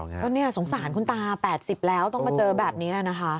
แล้วเนี่ยสงสารคุณตา๘๐แล้วต้องมาเจอแบบนี้นะคะ